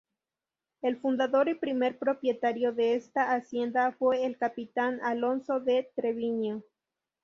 El fundador y primer propietario de esta hacienda fue el Capitán Alonso de Treviño.